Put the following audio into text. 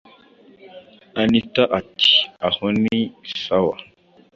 anita ati aho ni sawa